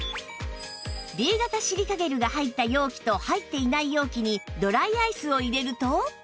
Ｂ 型シリカゲルが入った容器と入っていない容器にドライアイスを入れると